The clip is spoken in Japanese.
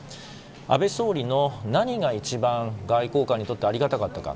安倍総理の何が一番外交官にとってありがたったか・。